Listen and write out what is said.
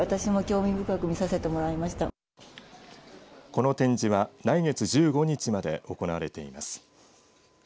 この展示は来月１５日まで行われています。